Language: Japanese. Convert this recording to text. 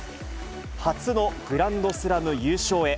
初のグランドスラム優勝へ。